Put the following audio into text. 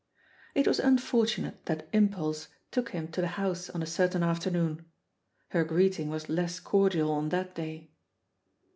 It was unfortunate that impulse took him to the house on a certain afternoon. Her greeting was less cordial on that day.